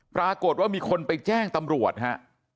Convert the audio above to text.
ปรากฏว่ามีคนไปแจ้งตำรวจฮะ